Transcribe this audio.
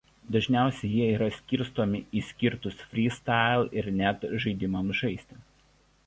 Dažniausiai jie yra skirstomi į skirtus "freestyle" ir "net" žaidimams žaisti.